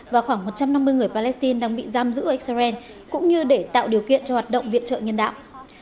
và khoảng một trăm năm mươi người palestine đang bị giam giữ ở israel cũng như để tạo điều kiện cho hoạt động viện trợ nhân đạo